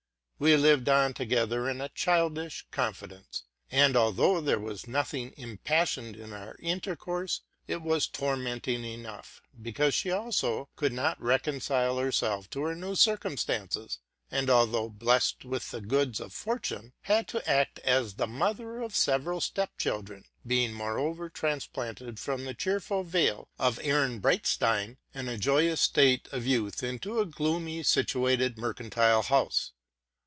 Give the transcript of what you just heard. We lived on together in a childish confidence ; and, although there was nothing impassioned in our intercourse, it was tormenting enough, because she could not become reconciled to her new circumstances, and, although blessed with the goods of fortune, had to act as the mother of several step children, being moreover transplanted from the cheerful vale of Ehrenbreitstein and a joyous state of youth into a gloomily situated mercantile house.